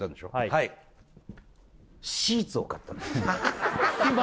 はいシーツを買ったんだ